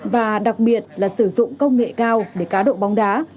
và đặc biệt là sử dụng công nghệ cao để cá độ bóng đá